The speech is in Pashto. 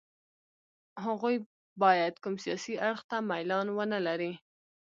هغوی باید کوم سیاسي اړخ ته میلان ونه لري.